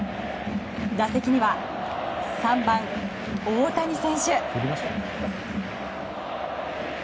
打席には３番、大谷選手。